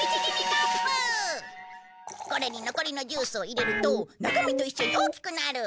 これに残りのジュースを入れると中身と一緒に大きくなる！